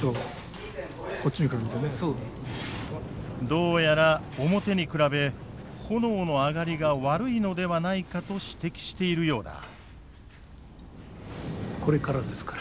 どうやら表に比べ炎の上がりが悪いのではないかと指摘しているようだ。